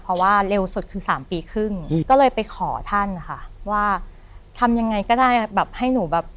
เพราะว่าเร็วสุดคือสามปีครึ่งก็เลยไปขอท่านนะคะว่าทำยังไงก็ได้แบบให้หนูแบบ